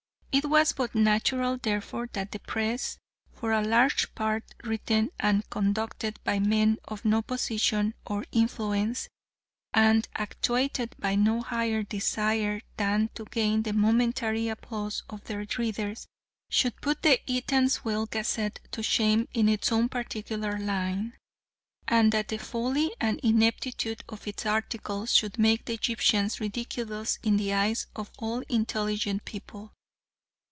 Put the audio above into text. It was but natural therefore that the Press, for a large part written and conducted by men of no position or influence, and actuated by no higher desire than to gain the momentary applause of their readers, should put the Eatanswill Gazette to shame in its own particular line, and that the folly and ineptitude of its articles should make the Egyptians ridiculous in the eyes of all intelligent people.